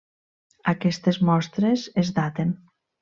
Aquestes mostres es daten.